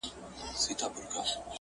یا خو غښتلی یا بې اثر یې،